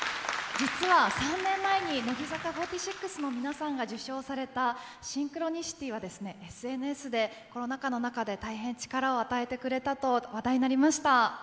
実は３年前に乃木坂４６の皆さんが受賞された「シンクロニシティ」はＳＮＳでコロナ禍の中で大変力を与えてくれたと話題になりました。